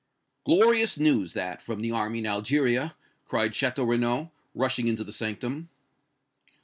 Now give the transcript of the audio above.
"Glorious news that from the army in Algeria!" cried Château Renaud, rushing into the sanctum.